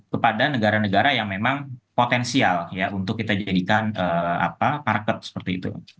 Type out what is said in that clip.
kepada negara negara yang memang potensial ya untuk kita jadikan market seperti itu